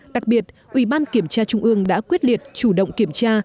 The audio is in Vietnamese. đặc biệt ủy ban kiểm tra trung ương đã quyết liệt chủ động kiểm tra